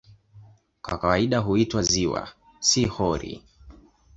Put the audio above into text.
Kwa kawaida huitwa "ziwa", si "hori".